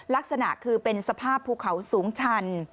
ลักษณะคือเป็นสภาพภูเขาสูงชัน